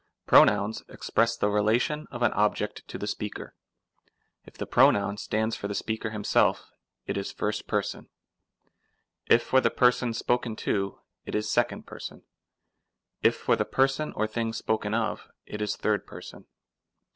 Pronouns express the relation of an object to the speaker. If the pronoun stands for the speaker himself, it is 1st person ; if for the person spoken to, it is 2d person ; if for the person or thing spoken of, it is 3d person.